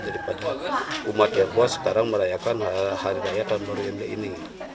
daripada umat tionghoa sekarang merayakan hari raya tahun baru imlek ini